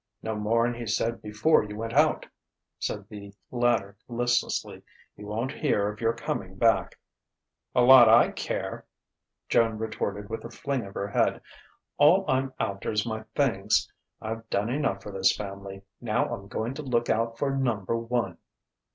"No more'n he said before you went out," said the latter listlessly. "He won't hear of your coming back " "A lot I care!" Joan retorted with a fling of her head. "All I'm after's my things. I've done enough for this family.... Now I'm going to look out for Number One."